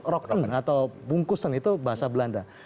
rok en atau bungkusen itu bahasa belanda